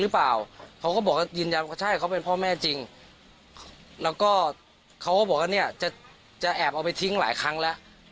แล้วก็เขาก็บอกว่าจะแอบเอาไปทิ้งหลายครั้งแล้ว